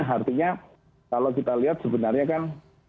artinya kalau kita lihat sebenarnya kan